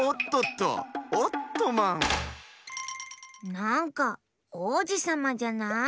なんかおうじさまじゃない。